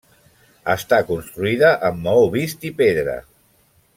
Està construïda amb maó vist i pedra.